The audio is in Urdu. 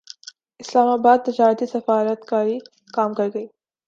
اسلام اباد تجارتی سفارت کاری کام کرگئی